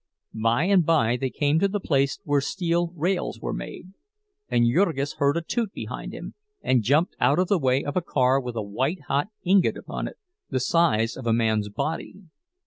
By and by they came to the place where steel rails were made; and Jurgis heard a toot behind him, and jumped out of the way of a car with a white hot ingot upon it, the size of a man's body.